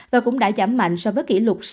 và cũng đã giảm mạnh so với kỷ lục sáu mươi ca